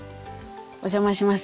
お邪魔します。